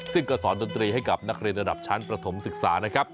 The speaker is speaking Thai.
ซึ่งก็สอนดนตรีให้กับนักเรียนระดับชั้นประถมศึกษานะครับ